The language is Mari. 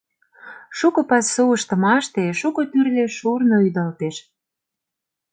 Шуко пасу ыштымаште шуко тӱрлӧ шурно ӱдалтеш.